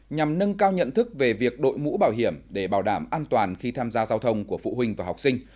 nhằm nâng cao nhận thức về việc đội mũ bảo hiểm để bảo đảm an toàn khi tham gia giao thông của phụ huynh và học sinh